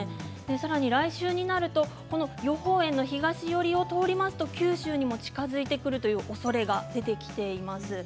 さらに来週になると予報円の東寄りを通りますと九州にも近づいてくるというおそれが出てきています。